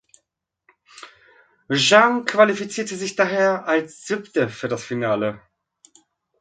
Zhang qualifizierte sich daher als Siebte für das Finale.